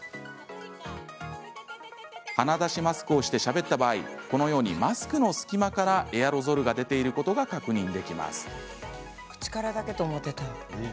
鼻だしマスクをしてしゃべった場合、このようにマスクの隙間からエアロゾルが出ていることが確認できます。